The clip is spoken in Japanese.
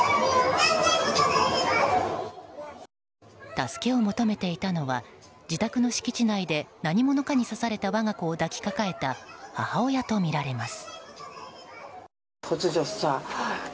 助けを求めていたのは自宅の敷地内で何者かに刺された我が子を抱きかかえた母親とみられます。